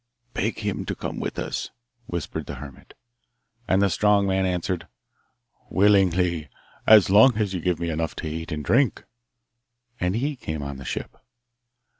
'Beg him to come with us,' whispered the hermit. And the strong man answered: 'Willingly, as long as you give me enough to eat and drink.' And he came on the ship.